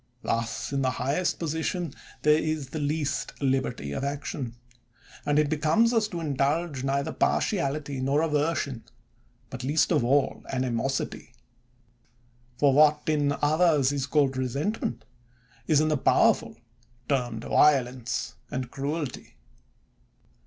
Thus in the highest po sition there is the least liberty of action ; and it becomes us to indulge neither partiality nor aversion, but least of all animosity ; for what in 224 JULIUS C ffiSAR others is called resentment, is in the powerful termed violence and cruelty.